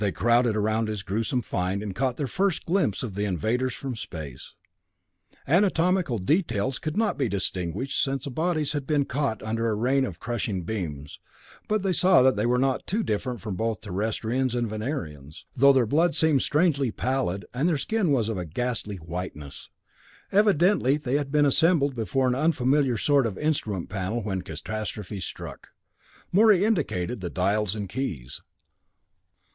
They crowded around his gruesome find and caught their first glimpse of the invaders from space. Anatomical details could not be distinguished since the bodies had been caught under a rain of crushing beams, but they saw that they were not too different from both Terrestrians and Venerians though their blood seemed strangely pallid, and their skin was of a ghastly whiteness. Evidently they had been assembled before an unfamiliar sort of instrument panel when catastrophe struck; Morey indicated the dials and keys.